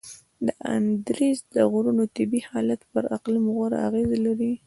د اندیز د غرونو طبیعي حالت پر اقلیم غوره اغیزه لري.